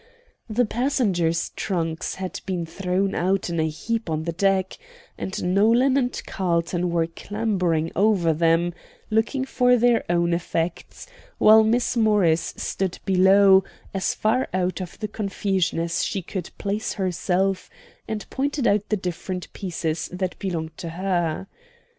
The passengers' trunks had been thrown out in a heap on the deck, and Nolan and Carlton were clambering over them, looking for their own effects, while Miss Morris stood below, as far out of the confusion as she could place herself, and pointed out the different pieces that belonged to her.